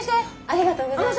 ありがとうございます。